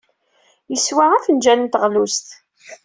Yeswa afenjal n teɣlust.